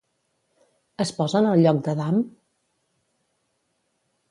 Es posa en el lloc d'Adam?